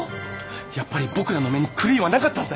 やっぱり僕らの目に狂いはなかったんだよ。